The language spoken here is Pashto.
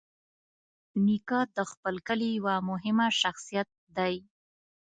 نیکه د خپل کلي یوه مهمه شخصیت دی.